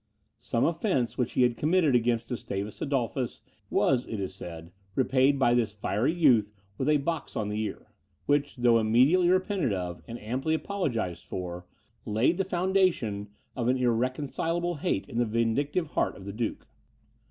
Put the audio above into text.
Some offence which he had committed against Gustavus Adolphus, in the queen's chamber, was, it is said, repaid by this fiery youth with a box on the ear; which, though immediately repented of, and amply apologized for, laid the foundation of an irreconcileable hate in the vindictive heart of the duke.